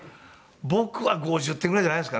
僕は５０点ぐらいじゃないですかね。